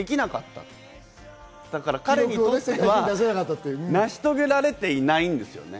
彼にとっては成し遂げられてないんですよ。